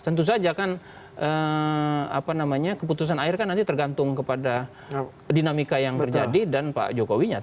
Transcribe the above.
tentu saja kan keputusan akhir nanti tergantung kepada dinamika yang terjadi dan pak jokowinya